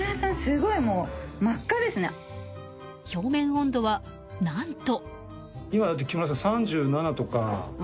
表面温度は何と。